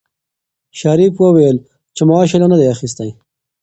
شریف وویل چې معاش یې لا نه دی اخیستی.